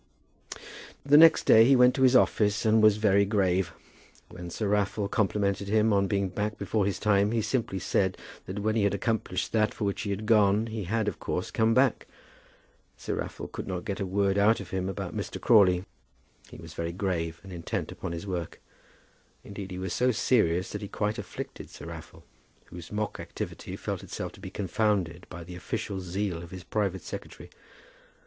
The next day he went to his office and was very grave. When Sir Raffle complimented him on being back before his time, he simply said that when he had accomplished that for which he had gone, he had, of course, come back. Sir Raffle could not get a word out from him about Mr. Crawley. He was very grave, and intent upon his work. Indeed he was so serious that he quite afflicted Sir Raffle, whose mock activity felt itself to be confounded by the official zeal of his private secretary.